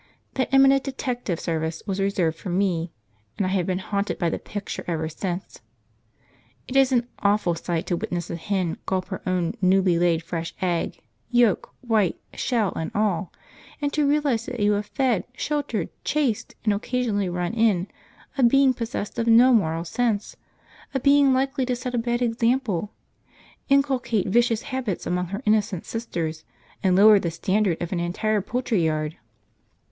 That eminent detective service was reserved for me, and I have been haunted by the picture ever since. It is an awful sight to witness a hen gulp her own newly laid fresh egg, yolk, white, shell, and all; to realise that you have fed, sheltered, chased, and occasionally run in, a being possessed of no moral sense, a being likely to set a bad example, inculcate vicious habits among her innocent sisters, and lower the standard of an entire poultry yard.